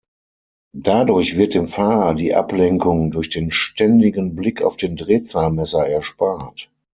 Dadurch wird dem Fahrer die Ablenkung durch den ständigen Blick auf den Drehzahlmesser erspart.